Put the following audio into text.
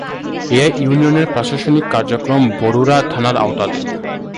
এ ইউনিয়নের প্রশাসনিক কার্যক্রম বরুড়া থানার আওতাধীন।